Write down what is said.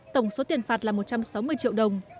tổng số tiền phạt là một trăm sáu mươi triệu đồng